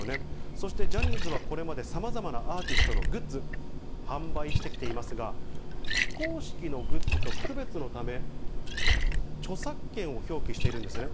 そして、ジャニーズはこれまで様々なアーティストのグッズ、販売してきていますが、非公式のグッズと区別のため、著作権を表記しているんですね。